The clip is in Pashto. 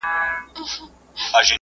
نه به دي په ښار کي د چا سترګو پېژندلی یم